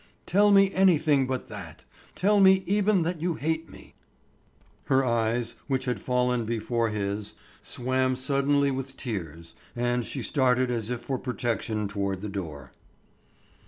tell me anything but that,—tell me even that you hate me." Her eyes, which had fallen before his, swam suddenly with tears and she started as if for protection toward the door.